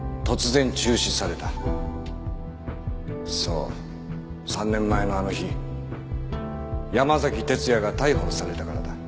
そう３年前のあの日山崎哲也が逮捕されたからだ。